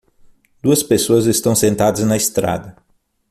Duas pessoas estão sentadas na estrada.